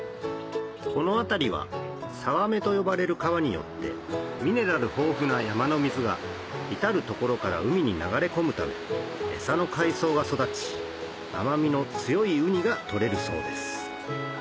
この辺りは「さわめ」と呼ばれる川によってミネラル豊富な山の水が至る所から海に流れ込むため餌の海藻が育ち甘みの強いウニが取れるそうです